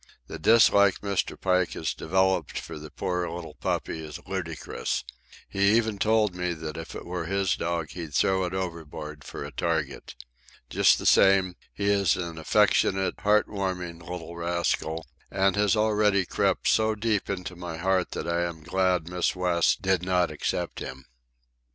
The dislike Mr. Pike has developed for the poor little puppy is ludicrous. He even told me that if it were his dog he'd throw it overboard for a target. Just the same, he is an affectionate, heart warming little rascal, and has already crept so deep into my heart that I am glad Miss West did not accept him.